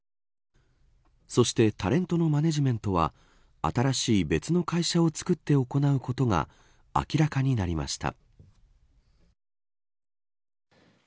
そしてタレントのマネジメントは新しい別の会社をつくって行うことが明らかになりました。